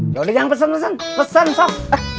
yaudah jangan pesen pesen pesen sob